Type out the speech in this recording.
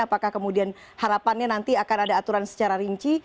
apakah kemudian harapannya nanti akan ada aturan secara rinci